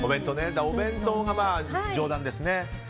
お弁当が上段ですね。